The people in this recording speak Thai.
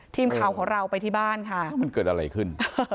ทีมข่าวของเราไปที่บ้านค่ะมันเกิดอะไรขึ้น